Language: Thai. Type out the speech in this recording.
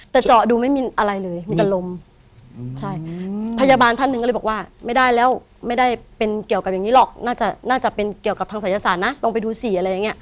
แต่เจาะดูไม่มีอะไรเลยมีแต่ลมใช่พยาบาลท่านหนึ่งก็เลยบอกว่าไม่ได้แล้วไม่ได้เป็นเกี่ยวกับอย่างนี้หรอกน่าจะน่าจะเป็นเกี่ยวกับทางศัยศาสตร์นะลองไปดูสิอะไรอย่างนี้